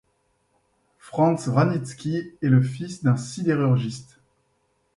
Franz Vranitzky est le fils d'un sidérurgiste.